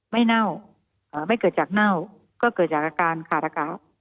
เน่าไม่เกิดจากเน่าก็เกิดจากอาการขาดอากาศ